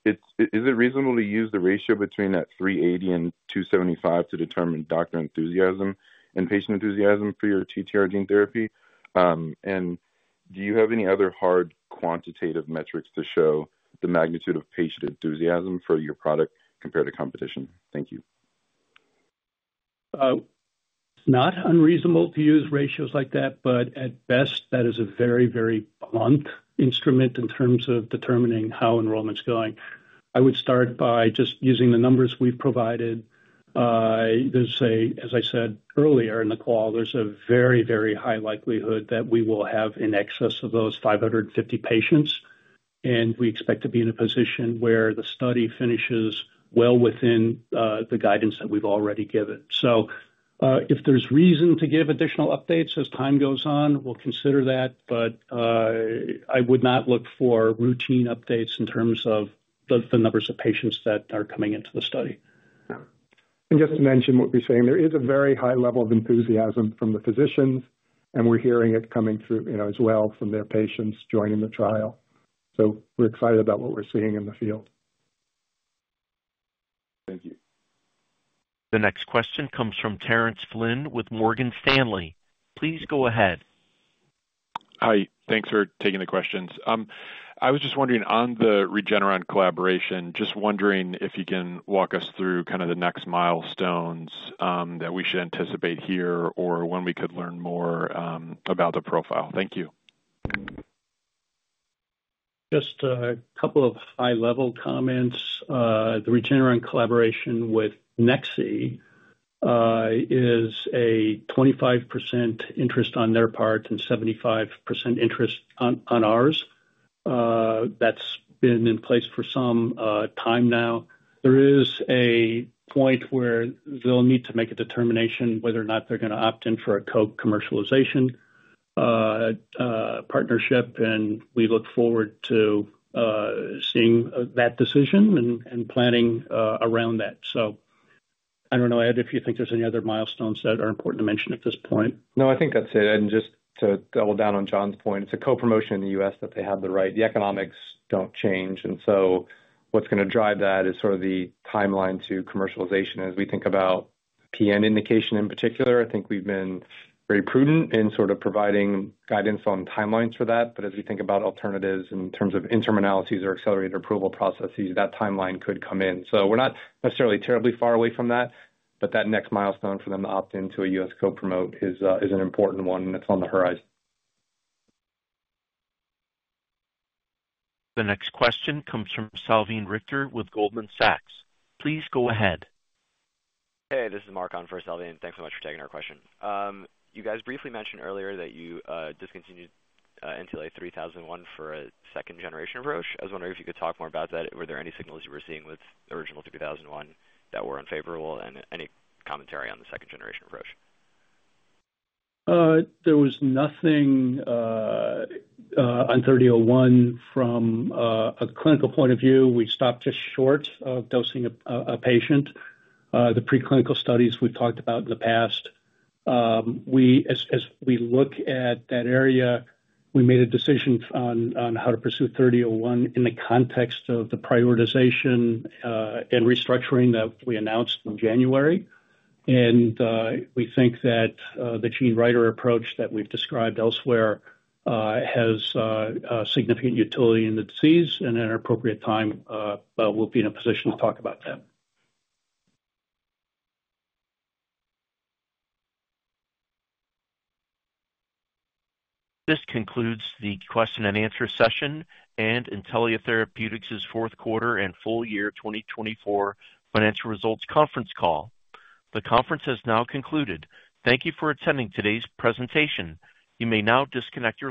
[SPEAKER 22] Is it reasonable to use the ratio between that 380 and 275 to determine doctor enthusiasm and patient enthusiasm for your TTR gene therapy? And do you have any other hard quantitative metrics to show the magnitude of patient enthusiasm for your product compared to competition? Thank you.
[SPEAKER 3] It's not unreasonable to use ratios like that, but at best, that is a very, very blunt instrument in terms of determining how enrollment's going. I would start by just using the numbers we've provided. As I said earlier in the call, there's a very, very high likelihood that we will have in excess of those 550 patients. We expect to be in a position where the study finishes well within the guidance that we've already given. If there's reason to give additional updates as time goes on, we'll consider that. I would not look for routine updates in terms of the numbers of patients that are coming into the study.
[SPEAKER 4] And just to mention what we're seeing, there is a very high level of enthusiasm from the physicians, and we're hearing it coming through as well from their patients joining the trial. So we're excited about what we're seeing in the field.
[SPEAKER 5] Thank you.
[SPEAKER 1] The next question comes from Terence Flynn with Morgan Stanley. Please go ahead.
[SPEAKER 23] Hi. Thanks for taking the questions. I was just wondering on the Regeneron collaboration, just wondering if you can walk us through kind of the next milestones that we should anticipate here or when we could learn more about the profile? Thank you.
[SPEAKER 3] Just a couple of high-level comments. The Regeneron collaboration with nex-z is a 25% interest on their part and 75% interest on ours. That's been in place for some time now. There is a point where they'll need to make a determination whether or not they're going to opt in for a co-commercialization partnership. And we look forward to seeing that decision and planning around that. So I don't know, Ed, if you think there's any other milestones that are important to mention at this point.
[SPEAKER 5] No, I think that's it. And just to double down on John's point, it's a co-promotion in the U.S. that they have the right. The economics don't change. And so what's going to drive that is sort of the timeline to commercialization. As we think about PN indication in particular, I think we've been very prudent in sort of providing guidance on timelines for that. But as we think about alternatives in terms of interim analyses or accelerated approval processes, that timeline could come in. So we're not necessarily terribly far away from that, but that next milestone for them to opt into a U.S. co-promote is an important one, and it's on the horizon.
[SPEAKER 1] The next question comes from Salveen Richter with Goldman Sachs. Please go ahead.
[SPEAKER 24] Hey, this is Marc on for Salveen. Thanks so much for taking our question. You guys briefly mentioned earlier that you discontinued NTLA-3001 for a second-generation approach. I was wondering if you could talk more about that. Were there any signals you were seeing with the original 3001 that were unfavorable and any commentary on the second-generation approach?
[SPEAKER 3] There was nothing on NTLA-3001 from a clinical point of view. We stopped just short of dosing a patient. The preclinical studies we've talked about in the past, as we look at that area, we made a decision on how to pursue NTLA-3001 in the context of the prioritization and restructuring that we announced in January. And we think that the gene writer approach that we've described elsewhere has significant utility in the disease. And at an appropriate time, we'll be in a position to talk about that.
[SPEAKER 1] This concludes the question-and-answer session and Intellia Therapeutics' Fourth Quarter and Full Year 2024 Financial Results Conference call. The conference has now concluded. Thank you for attending today's presentation. You may now disconnect your.